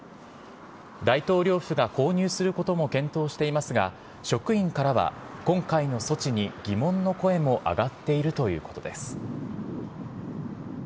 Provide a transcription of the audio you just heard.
大統領府が購入することも検討していますが、職員からは、今回の措置に疑問の声も上がっているということです。